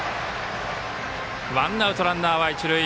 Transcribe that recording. ワンアウト、ランナーは一塁。